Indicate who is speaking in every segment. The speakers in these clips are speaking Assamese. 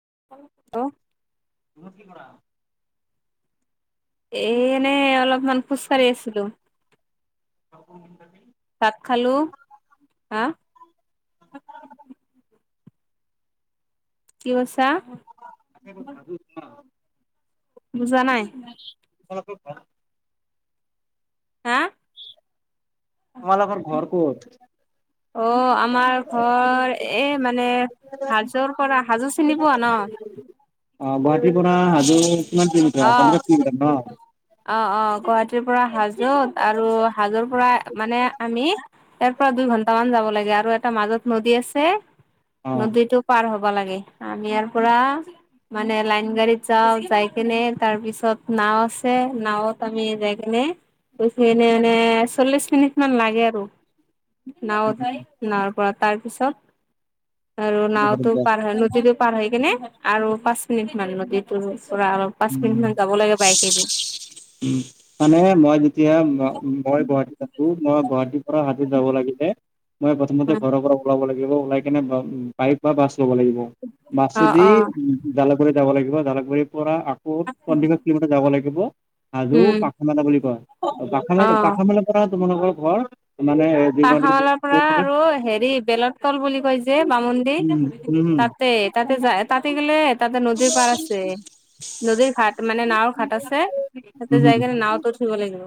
Speaker 1: [unintelligible]
Speaker 2: উন্নতি কৰাৰা।
Speaker 1: এ এনে অলপমান খোজকাঢ়ি আছিলো।
Speaker 2: [unintelligible]
Speaker 1: ভাত খালো। হা, কি কৈছা।
Speaker 2: আ ভাবিছো।
Speaker 1: বুজা নাই।
Speaker 2: [unintelligible]
Speaker 1: হা
Speaker 2: তোমালোকে ঘৰ ক'ত?
Speaker 1: অ' আমাৰ ঘৰ এ মানে। হাজো পৰা হাজো চিনি পোৱা ন
Speaker 2: অ' গুৱাহাটী পৰা হাজো কিমান
Speaker 1: অ',
Speaker 2: কিলোমিটাৰ [unintelligible] ন
Speaker 1: অ', অ', গুৱাহাটীৰ পৰা হাজোত আৰু হাজৰ পৰা মানে আমি ইয়াৰ পৰা দুই ঘন্টা মান যাব লাগে আৰু আৰু এটা মাজত নদী আছে।
Speaker 2: অ'
Speaker 1: নদীতটো পাৰ হ'ব লাগে। আমি ইাৰ পৰা মানে লাইন গাড়ীত যাই যাই কেনে তাৰপিছত নাও আছে, নাওত আমি যাই কেনে। হেপিনে মানে চল্লিশ মিনিট মান লাগে, আৰু নাওঠাই নাৱৰ পৰা তাৰ পিছত আৰু নাওতো পাৰ হয় নদীত পাৰ হৈ কেনে আৰু পাঁচ মিনিট মান নদীটোৰ পৰা পাঁচ মিনিট মান যাব লাগে বাইকেদি
Speaker 2: উ মানে মই যেতিয়া মই গুৱাহাটীত আাকো মই গুৱাহাটীত হাতত যাব লাগিলে মই প্ৰথমতে
Speaker 1: অ
Speaker 2: ঘৰৰ পৰা ওলাব লাগিব ওলাই কিনে বাইক বাছ ল মছদি
Speaker 1: অ
Speaker 2: জালুকীত যাব লাগিব জ পৰা বহুত সন্দিত কম যাব লাগিব আ হাজো
Speaker 1: উম
Speaker 2: পাখা মেলা বুলি কয়, পাখ মেলা
Speaker 1: অ
Speaker 2: পাখ মেলাৰ পৰা তোমালোকৰ ঘৰ। মানে
Speaker 1: পখালৰ পৰা আৰু হেৰি বেলত তল বুলি কৈ যে। যে বামন্দিৰ তাতে তাতে যায় তাতে গেলে তাতে নদীৰ পাৰ আছে। নদীৰ ঘাাট মানে নাও ঘাাট আছে, সেইটো জেগ নাওতো উঠিব লাগিব।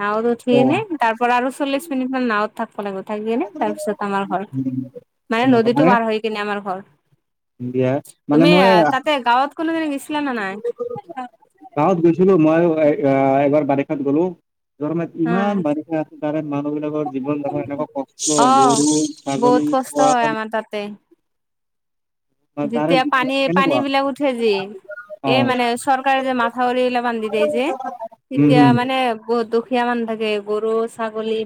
Speaker 1: নাওত উঠি এনে তাৰ পৰা আৰু চল্লি মিনিট মান নাওত থাকি কেনে তাৰপিছত আমাৰ ঘৰ মানে নদীতটো পাৰ হৈ কিনে আমাৰ ঘৰ।
Speaker 2: মানে
Speaker 1: তুমি
Speaker 2: মই
Speaker 1: তাতে গাঁৱত কোনোজননে গৈছিলা নে নাই
Speaker 2: গাঁৱত গৈছিলো মই এবাৰ বাৰিষাত গ'লো য ইমান
Speaker 1: অ
Speaker 2: বাৰিষা আছে তাৰে মানুহবলাকৰ জীৱন যখাৰ এনেকুৱা কষ্ট
Speaker 1: অ',
Speaker 2: গৰু ছাগলী
Speaker 1: বহুত কষ্ট
Speaker 2: খোৱা
Speaker 1: হয় আমাৰ তাতে
Speaker 2: তাৰে
Speaker 1: যেতিয়া পানী পানী
Speaker 2: কেনেকুৱা
Speaker 1: বিলাক উঠে যে
Speaker 2: অ
Speaker 1: এই মানে চৰকাৰে যে মাথাউৰি এইিলা বান্ধি দিয় যে
Speaker 2: উম
Speaker 1: তেতিয়া
Speaker 2: হম
Speaker 1: মানে বহুত দুখ শিয়মানান থাগে গৰু চ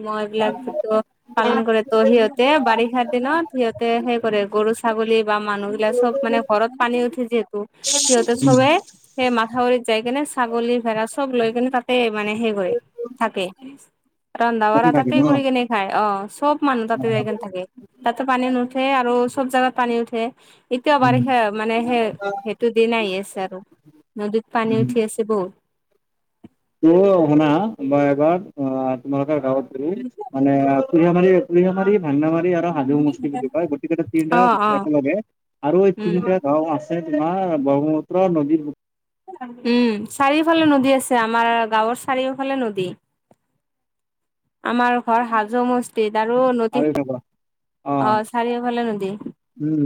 Speaker 1: মই এইবিলাকটো পালন কৰে ত সিহঁতে বাৰিষাৰ দিনত সিহঁতে সেই কৰে গৰু ৰু ছাগলী বা মানুহ সব মানে ঘৰত পানী উঠে যিহেতু সিহঁতে
Speaker 2: উম
Speaker 1: সবে সেই মাথা বৰিত যাই কিনে ছাগলী চব লৈ কিনে তাতে মানে সে কৰে থাকে ৰন্ধা
Speaker 2: তাতে
Speaker 1: বঢ়া
Speaker 2: থাকে
Speaker 1: তাতেই
Speaker 2: ন
Speaker 1: কৰি কেনে খায় অ চব মানুহ তাতে য থাকে তাতে পানী নুঠে আৰু চব জোগাত পানী উঠে এতিয়াও
Speaker 2: উম
Speaker 1: বাৰিষে মানে সেই সেইটো দিন আহ আছে আৰু নদীত পানী
Speaker 2: উম
Speaker 1: উঠি আছে বহুত
Speaker 2: ত শুনা মই এবাৰ অ তোমালোকে গাঁৱত গৰি মানে পুৰিমাৰ পুৰৰিমাৰ ভাণ্া মাৰি হাজু মুষ্টি বুলি ক গোটেই গোটা
Speaker 1: অ
Speaker 2: তিনিটা
Speaker 1: অ
Speaker 2: একেলগে আৰু এই
Speaker 1: উম
Speaker 2: তিনিটা গাঁও আছে তোমাৰ ব্ৰহ্মপুত্ৰ নদীৰ
Speaker 1: উম চাৰিওফালে নদী আছে আমাৰ গাঁৱৰ চাৰিওফালে নদী আমাৰ ঘৰ হাজো মসিত দাৰো নদী
Speaker 2: আৰু এটা পৰা।
Speaker 1: অ চাৰিওফালে নদী
Speaker 2: উম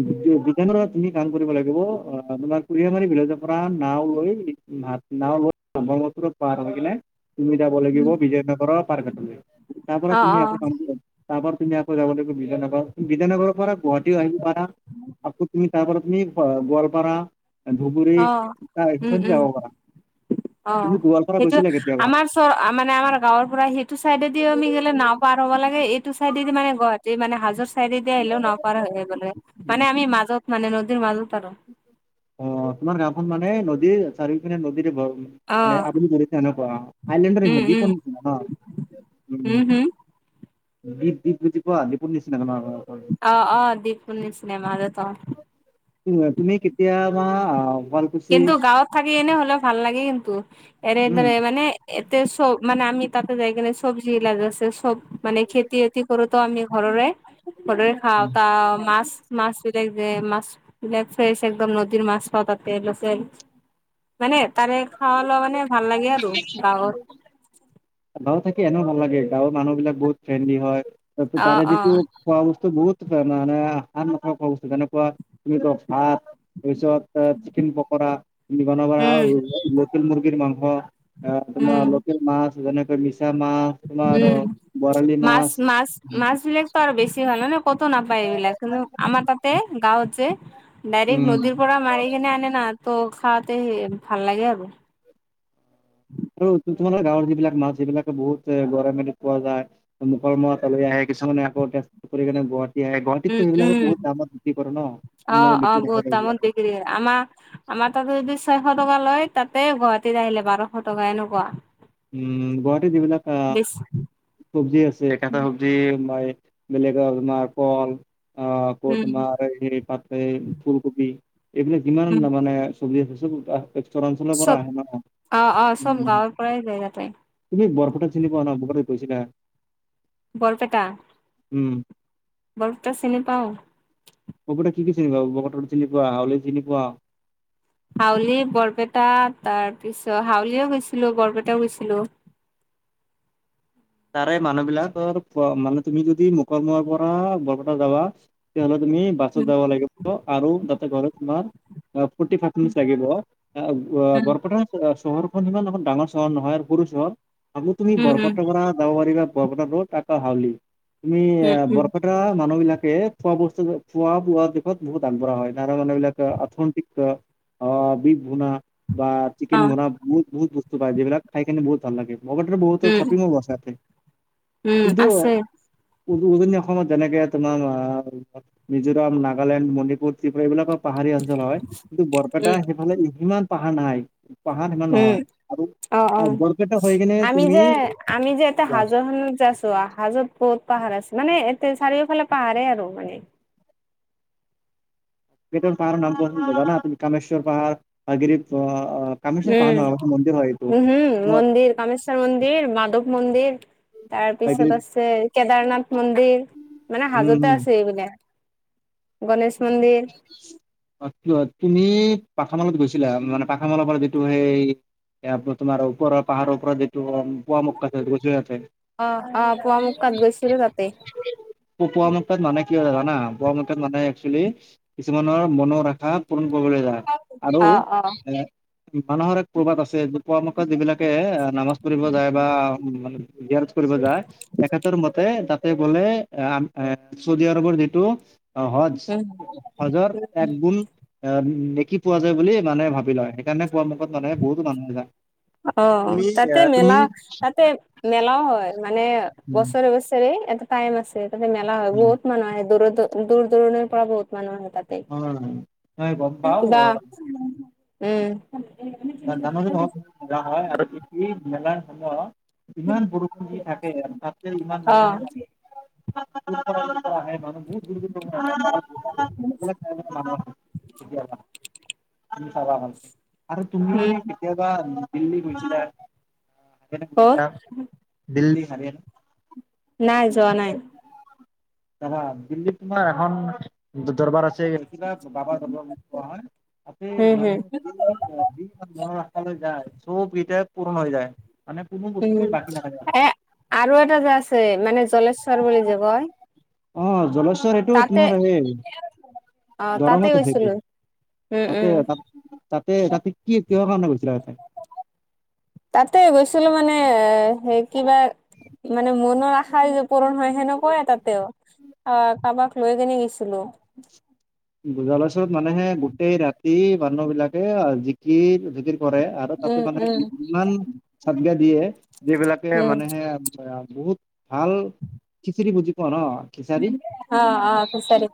Speaker 2: বিজানত তুমি কাম কৰিব লাগিব অ তোমাক কুৰিয় মাৰি বিলজৰ পৰা নাও লৈ নাও লৈ ব্ৰহ্মপুত্ৰ পাৰ হৈ কিনে তুমি যাব লাগিব বিজয়নগৰৰ পাৰ ঘাটলৈ তাৰ পৰা
Speaker 1: অ
Speaker 2: তুমি
Speaker 1: অ
Speaker 2: আকৌ কাম তাৰপ পৰা তুমি আকৌযাব লাগিব বিজয়ানগৰ বিজয়ানগৰ পৰা গুৱাহাটী পাৰা আ তুমি তাৰপুমি গোৱালপাৰা ধুবুৰী
Speaker 1: অ উম
Speaker 2: তছত
Speaker 1: উম
Speaker 2: যাবাবা
Speaker 1: অ, সেইটো আমাৰ চ মানে আমাৰ গাঁৱৰ পৰা সেইটো চাইডেদি আমি গলে নাও পাৰ হ'ব লাগ এইটো চাইডেদি মানে গুৱাহাটী মানে হাজোৰ চাইডেদি আহিলেও নপাৰ হৈ বোলে মানে আমি মাজত মানে নদদিৰ মাজ
Speaker 2: অ তোমাৰ গাওখন মানে নদীৰ চাৰিওফিনে নদীৰে ব
Speaker 1: অ
Speaker 2: আপু ঘছে ন প
Speaker 1: উম
Speaker 2: আইলেণ্ড দপ
Speaker 1: উম
Speaker 2: ন
Speaker 1: উম হম
Speaker 2: দী দিপ গুজি পোৱা দপুৰ নিচিনাাক ন আৰু
Speaker 1: অ অ দীপু নি চনেমা আৰু ত
Speaker 2: তুমি কেতিয়াবা শুৱালকুছি
Speaker 1: কিন্তু গাঁৱত থাকি এনে হলে ভাল লাগে কিন্তু
Speaker 2: উম
Speaker 1: এনেদৰে মানে এতে চব মানে আি তাতে যাই কিনে চব্জি ইলাজ আছে চব মানে খেতি বাতি কৰোতো আমি ঘৰৰে দৰে খাওঁতা মাছ-মাছ লেগ যে, মাছ বিলাক ফ্ৰেছ একদম নদীৰ মাছ পাওঁ তাতে, লোকেল মানে তাৰে খোৱা লোৱা মানে ভাল লাগে আৰু গাঁৱত
Speaker 2: গাঁৱত থাকি এনেও ভাল লাগে। গাঁৱৰ মানুহ বিলাক বহুত ফ্ৰেণ্ডলি হয় ত
Speaker 1: অ
Speaker 2: তাৰে
Speaker 1: অ
Speaker 2: যিটো খোৱা বস্তু বহুত মানে হাত নাথকা খোৱা বস্তু তেনেকুৱা তুমি ক ভাত তাৰ পিছত চিকেন পকৰাম বনাব
Speaker 1: উম
Speaker 2: লটেল মুৰ্গীৰ মাংস অ,
Speaker 1: উম
Speaker 2: তোমাৰ লোকেল মা আছছে যেনেকৈ মাছ তোমাৰ
Speaker 1: উম,
Speaker 2: বৰালি মাছ
Speaker 1: মাছ-মাছ-মাছ বিলাকতো আৰু বেছি হ'ল নে ক'তো নাপায় এইবিলাক, কিন্তু আমাৰ তাতে গাঁৱত যে ডাইৰেক্ট
Speaker 2: উম
Speaker 1: নদীৰ পৰা মাৰি কিনে আনে না, ত' খাওঁতে ভাল লাগে আৰু [inaudible]
Speaker 2: আৰু তোমালোকৰ গাঁৱৰ যিবিলাক মাছ যিবিলাকে বহুত এ গৰৈমাৰীত পোৱা যায়, মুকালমুৱা তালৈ আহে কিছুমানে আকৌ [unintelligible] আহে,
Speaker 1: উম
Speaker 2: গুৱাহাটীততো এইবিলাক
Speaker 1: উম
Speaker 2: বহুত দামত বিক্ৰী কৰে ন,
Speaker 1: অ
Speaker 2: তোমালোকৰ
Speaker 1: অ
Speaker 2: বিক্ৰী
Speaker 1: বহুত
Speaker 2: নকৰে
Speaker 1: দামত
Speaker 2: এইবিলাকত
Speaker 1: বিক্ৰী কৰে। আমাৰ আমাৰ তাতে যদি ছয়শ টকা লয় তাতে গুৱাহাটীত আহিলে বাৰশ টকা এনেকুৱা
Speaker 2: উম, গুৱাহাটী যিবিলাক
Speaker 1: বেছি
Speaker 2: চব্জি আছে, কটা চব্জি মাই বেলেগৰ তোমাৰ ফল, আকৌ
Speaker 1: উম
Speaker 2: তোমাৰ এই পাত এই ফুলকবি এইবিলাক যিমান
Speaker 1: উম
Speaker 2: মানে চব্জি আছে চব [unintelligible] পৰা
Speaker 1: চব,
Speaker 2: আহে ন
Speaker 1: অ'-অ', চব
Speaker 2: উম।
Speaker 1: গাঁৱৰ পৰাই যায় তাতে
Speaker 2: তুমি বৰপেটাক চিনি পোৱা ন, কৰ'বলে গৈছিলা
Speaker 1: বৰপেটা?
Speaker 2: উম।
Speaker 1: বৰপেটা চিনি পাওঁ।
Speaker 2: বৰপেটা কি কি চিনি পোৱা, [unintelligible] চিনি পোৱা হাউলি চিনি পোৱা?
Speaker 1: হাউলী, বৰপেটা তাৰ পিছত হাউলিও গৈছিলো, বৰপেটাও গৈছিলো। [inaudible]
Speaker 2: তাৰে মানুহবিলাকৰ মানে তুমি যদি মুকালমুৱাৰ পৰা বৰপেটা যাবা, তেতিয়াহ'লে তুমি বাছত
Speaker 1: উম
Speaker 2: যাব লাগিব আৰু তাতে গৈ লৈ তোমাৰ অ', ফ'ৰ্টি ফাইভ মিনিটচ লাগিব,
Speaker 1: উম
Speaker 2: বৰপেটা চহৰখন ইমান এখন ডাঙৰ চহৰ নহয় আৰু সৰু চহৰ, আকৌ তুমি
Speaker 1: উম উম
Speaker 2: বৰপেটাৰ পৰা যাব বৰপেটা ৰ'দ তাৰপৰা হাউলি, তুমি
Speaker 1: উম উম
Speaker 2: বৰপেটা মানুহবিলাকক খোৱা বস্তু, খোৱা বোৱা দিশত বহুত আগবঢ়া হয়, তাৰে মানুহবিলাক অৰ্থনৈতিক অ', [unintelligible] বা
Speaker 1: অ
Speaker 2: চিকেন [unintelligible] বহুত বস্তু পায় যিবিলাক খাইকিনে বহুত ভাল লাগে, লগতে বহুত
Speaker 1: উম
Speaker 2: শ্বপিং মল আছে
Speaker 1: উম,
Speaker 2: কিন্তু
Speaker 1: আছে।
Speaker 2: উজনি অসমত যেনেকে তোমাৰ, মিজোৰাম, নাগালেণ্ড, মণিপুৰ, ত্ৰিপুৰা, এইবিলাকক পাহাৰী অঞ্চল হয়, কিন্তু বৰপেটা
Speaker 1: উম
Speaker 2: সেইফালে ইমান পাহাৰ নাই। পাহাৰ সিমান
Speaker 1: উম
Speaker 2: নহয়,
Speaker 1: অ অ
Speaker 2: আৰু বৰপেটা হৈ কেনে তুমি
Speaker 1: এ
Speaker 2: চোৱা,
Speaker 1: হাজোখনত যাইছো, হাজোত বহুত পাহাৰ মানে এ চাৰিওফালে পাহাৰে আৰু মানে
Speaker 2: কেইটামান পাহাৰৰ নাম কোৱাচোন, জানানে তুমি, কমেশ্বৰ পাহাৰ, হয়গ্ৰীৱ অ' কামেশ্বৰ পাহাৰ নহয়, সেইটো মন্দিৰ হয়।
Speaker 1: উম উম,
Speaker 2: তোমাৰ
Speaker 1: মন্দিৰ কামেশ্বৰ মন্দিৰ, মাধৱ মন্দিৰ তাৰপিছত
Speaker 2: হাগিৰি।
Speaker 1: আছে কেদাৰনাথ মন্দিৰ, মানে
Speaker 2: উম
Speaker 1: হাজোঁতে
Speaker 2: উম।
Speaker 1: আছে এইবিলাক। গণেশ মন্দিৰ
Speaker 2: [unintelligible] তুমি পাথামালত গৈছিলা, মানে পাথামালৰ পৰা যিটো সেই এপ তমাৰ ৰ পাহাৰৰও পৰাৰত যটো পোৱা মুকাছে গচ আছে।
Speaker 1: অ', অ' পোৱা মুখাত গৈছিলো তাতে
Speaker 2: পপোৱা মত তাত মানে জানা মানে একেল কিছুমানৰ মনৰ ৰখা পণ ক'বলৈ যা আৰু
Speaker 1: অ অ
Speaker 2: এ মানুহৰ এক প্ৰবাত আছে পৰামৰ্শত যিবিলাকে নামাজ পঢ়িব যায় বা ইয়াত কৰিব যায়, তেখেতৰ মতে তাতে গ'লে, চৌদি আৰবৰ যিটো অ',
Speaker 1: উম উম।
Speaker 2: হজ-হজত একগুন কি পোৱা যায় বুলি মানুহে ভাবি লয়, সেইকাৰণে পোৱামক্কাত মানে বহুতো মানুহ যায়।
Speaker 1: অ', তাতে
Speaker 2: তুমি তুমি
Speaker 1: মেলা-তাতে মেলাও হয় মানে বছৰে বছৰে এটা টাইম আছে, তাতে মেলা হয়, বহুত মানুহ আহে দূৰৰ দূৰৰ দূৰ দূৰণিৰ পৰা বহুত মানুহ আহে তাতে
Speaker 2: উম।
Speaker 1: [unintelligible] উম।
Speaker 2: জানুৱাৰী মাহত হ ইমান বৰষুণ দি থাকে আৰু তাতে ইমান
Speaker 1: অ
Speaker 2: মানুহো ন [unintelligible] [unintelligible] [unintelligible] তুমি চাবা ভালকে আৰু তুমি
Speaker 1: উম
Speaker 2: কেতিয়াবা দিল্লী গৈছিলা।
Speaker 1: কত
Speaker 2: হিয়ান প দিল্লী হৰিয়ানা
Speaker 1: নাই যোৱা নাই
Speaker 2: দিল্লি তোমাৰ এখন দৰবাৰ আছে কিবা বাবা দৰবাৰ বুলি কোৱা হয় তাতে
Speaker 1: উম হম
Speaker 2: মানুহে য যি মন ৰখৈ যায় চবকতিয়া পূৰণ হৈ যায় মানে কোনো
Speaker 1: উম
Speaker 2: বস্তুৱে বাকী নাথাকে
Speaker 1: এ আৰু এটা যে আছে মানে জলেশ্বৰ বুলি যে কয়
Speaker 2: অ' জলশ্বৰ এইটো
Speaker 1: তাতে
Speaker 2: তোমাৰ আহেই।
Speaker 1: অ তাতে
Speaker 2: গৰমত আছেটো
Speaker 1: গৈছিলো উম
Speaker 2: তাতে
Speaker 1: উম
Speaker 2: ত তাতে তাতে কি কিহৰ কাৰণে গৈছিলা আৰু।
Speaker 1: তাতে গৈছিলো মানে সেই কিবা মানে মনৰ আশাৰ য পূৰণ হয় সেনেকুৱাইে তাতেও অ কাৰোবাক লৈ কেনে গৈছিলো
Speaker 2: জলাচৰত মানেহে গোটেই ৰাতি মানুহ বিলাকে জিকি জিকিৰ কৰে আৰু তাতে
Speaker 1: উম
Speaker 2: মানে
Speaker 1: উম
Speaker 2: ইমান চাতগা দিয়ে যিবিলাকে
Speaker 1: উম
Speaker 2: মানেহে বহুত ভাল খিচিৰি বুজি পোৱা ন। ছাৰী
Speaker 1: অ অ ফিচাৰী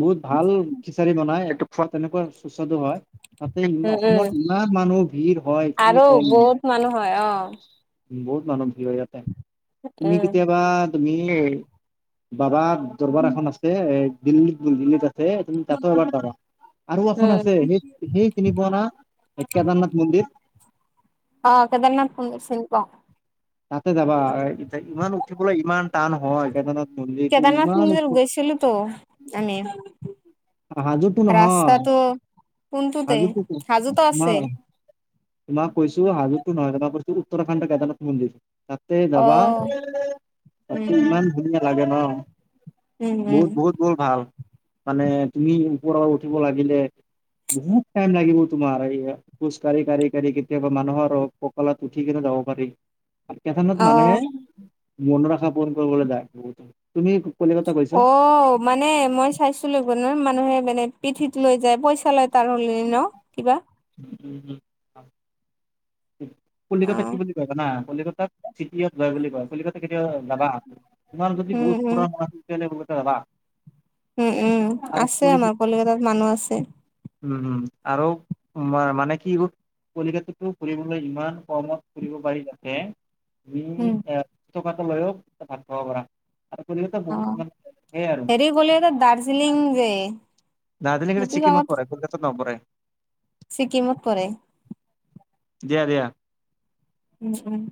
Speaker 2: বহুত। ভাল খিচাৰি বনাই খোৱা তেনেকুৱা সুস্বাদু হয়। তাতে ই
Speaker 1: উম উম
Speaker 2: অসমত ইমান মানুহ ভিৰ হয় কি
Speaker 1: আৰু
Speaker 2: কম।
Speaker 1: বহুত মানুহ হয় অ
Speaker 2: বহুত মানুহ ভিৰ হয় ইয়াতে তুমি
Speaker 1: উম
Speaker 2: কেতিয়াবা। তুমি বাবা দৰবাৰ এখন আছে এ দিল্লীত দিল্লীত আছে। তুমি তাতো এবাৰ দৰা আৰু এখন
Speaker 1: উম
Speaker 2: আছে সেই সেই তিনি পোৱানা কেদাৰনাথ মন্দিৰ।
Speaker 1: অ' কেদাৰনাথ পন্দ চিন পাও।
Speaker 2: তাতে যাবা ইমান উঠিবলৈ ইমান টান হয় সেইকাৰ
Speaker 1: কেদাৰনাথ মন্দিৰ গৈছিলো তো আমি
Speaker 2: হাজোতো নহয়
Speaker 1: ৰাস্তাটো কোনটোতে
Speaker 2: হাজোতো
Speaker 1: সাজোতো আছে
Speaker 2: তোমাক তোমাক কৈছো হাজোৰতো নহয় তোমাক কৈছো উত্তৰাখণ্ডৰ কেদনাথ মন্দিৰ। তাতে
Speaker 1: অ
Speaker 2: যাবা।
Speaker 1: উম
Speaker 2: ত
Speaker 1: উম
Speaker 2: ইমান ধুনীয়া লাগে ন
Speaker 1: উম উম
Speaker 2: বহুত বহুত বহুত ভাল। মানে তুমি ওপৰৰ উঠিব লাগিলে। বহুত টাইম লাগিব তোমাৰ এই খোজ কঢ়ি কাঢ়ি কেতিয়াবা মানুহৰ ককালত উঠি কিনে ববাৰ কথানত মানুহে
Speaker 1: অ
Speaker 2: মনৰ আখা পূৰণ কৰিবলৈ যায় বহুত তুমি কলিকতা গৈছ?
Speaker 1: অ' মানে মই চাইছিলো নহয় মানুহে। মানে পিঠিত লৈ যায় পইচা লয় তাৰ হ'লে ন কিবা।
Speaker 2: কলিকতা কি
Speaker 1: অ'
Speaker 2: বুলি কয়িব না। কলিকাত চিটিত হয় বুলি কয় কলিকতা কেতিয়া যাবা তোমাৰ যদি
Speaker 1: উম
Speaker 2: বহুত
Speaker 1: উম
Speaker 2: পৰাণ তেতিাহলে ব যাবা
Speaker 1: উম উম
Speaker 2: আৰু
Speaker 1: আছে
Speaker 2: কলি
Speaker 1: আমাৰ কলিকতাত মানুহ আছে।
Speaker 2: উম উম আৰু মানে কি কলিকটাতো। ফুৰিবলৈ ইমান কমত ফুৰিব পাৰি যাতে
Speaker 1: উম
Speaker 2: [unintelligible] [unintelligible] বহুত
Speaker 1: অ'
Speaker 2: মানে সেয়াই আৰু
Speaker 1: হেৰি বোলে দাৰ্জিলিং যে
Speaker 2: [unintelligible]
Speaker 1: সেইটো
Speaker 2: চিকিমত
Speaker 1: জাগাত
Speaker 2: পৰা কৰে ককাত নপৰে
Speaker 1: ছিকিমত পৰে।
Speaker 2: দিয়া দিয়া।
Speaker 1: উম উম।